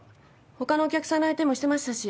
他のお客さんの相手もしてましたし。